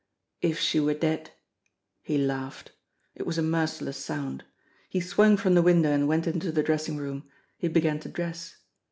If she were dead! He laughed! It was a merciless sound. He swung from the window and went into the dressing room. He began to dress.